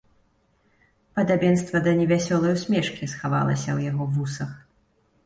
Падабенства да невясёлай усмешкі схавалася ў яго вусах.